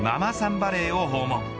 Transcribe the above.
バレーを訪問。